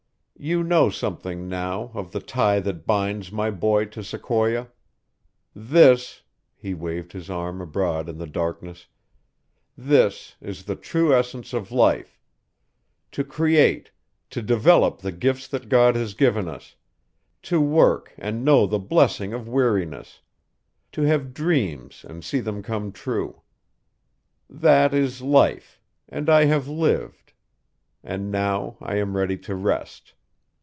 You know something, now, of the tie that binds my boy to Sequoia. This" he waved his arm abroad in the darkness "this is the true essence of life to create, to develop the gifts that God has given us to work and know the blessing of weariness to have dreams and see them come true. That is life, and I have lived. And now I am ready to rest."